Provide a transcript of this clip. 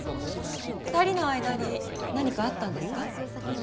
２人の間に何かあったんですか？